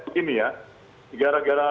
begini ya gara gara